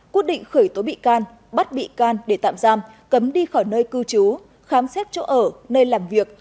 quyết định khởi tố bị can bắt bị can để tạm giam cấm đi khỏi nơi cư trú khám xét chỗ ở nơi làm việc